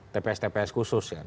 tps tps khusus kan